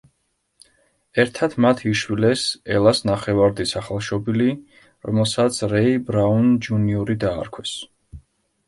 ერთად მათ იშვილეს ელას ნახევარ-დის ახალშობილი, რომელსაც რეი ბრაუნ ჯუნიორი დაარქვეს.